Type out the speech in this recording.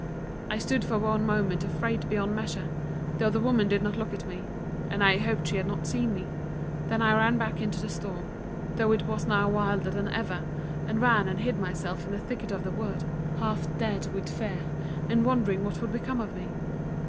I stood for one moment afraid beyond measure, though the woman did not look at me, and I hoped she had not seen me; then I ran back into the storm, though it was now wilder than ever, and ran and hid myself in the thicket of the wood, half dead with fear, and wondering what would become of me.